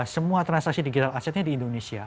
semua transaksi digital asetnya di indonesia